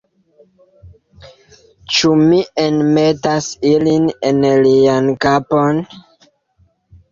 Ĉu mi enmetas ilin en lian kapon?